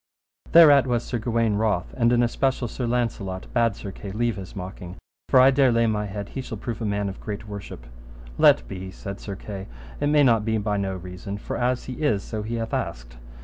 Thereat was Sir Gawaine wroth, and in especial Sir Launcelot bade Sir Kay leave his mocking, for I dare lay my head he shall prove a man of great worship. Let be said Sir Kay, it may not be by no reason, for as he is, so he hath asked.